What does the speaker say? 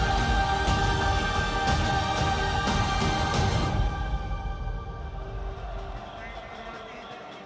rangkong ramai sekali